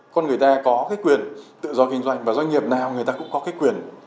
còn người ta có cái quyền tự do kinh doanh và doanh nghiệp nào người ta cũng có cái quyền